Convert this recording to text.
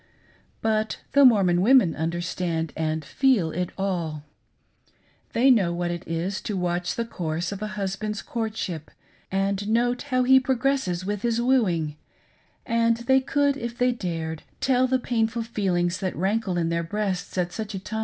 But the Mormon women understand and feel it all; They know what it is to watch the course of a husband's courtship and note how he progresses with his wooing ; and they could, if they dared, tell the painful feelings that rankle in their breasts at such a time.